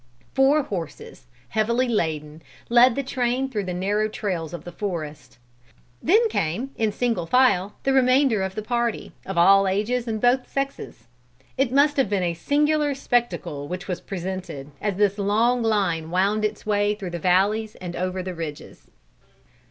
Four horses, heavily laden, led the train through the narrow trails of the forest. Then came, in single file, the remainder of the party, of all ages and both sexes. It must have been a singular spectacle which was presented, as this long line wound its way through the valleys and over the ridges.